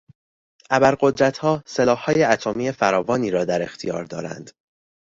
ابرقدرتها سلاحهای اتمی فراوانی را در اختیار دارند.